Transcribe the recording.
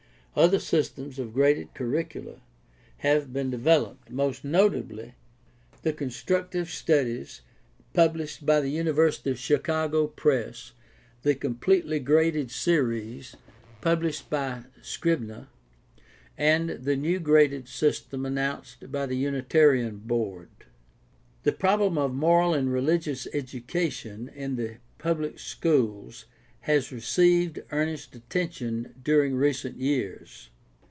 Other systems of graded curricula have been developed, most notably the "Constructive Studies" published by the University of Chicago Press, 646 GUIDE TO STUDY OF CHRISTIAN RELIGION the "Completely Graded Series" published by Scribner, and the new graded system announced by the Unitarian Board. The problem of moral and religious educatfon in the pubb'c schools has received earnest attention during recent years.